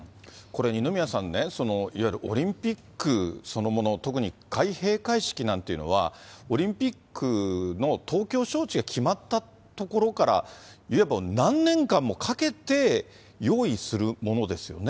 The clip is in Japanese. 二宮さん、いわゆるオリンピックそのもの、特に開閉会式なんていうのは、オリンピックの東京招致が決まったところから、いわばもう何年間もかけて用意するものですよね。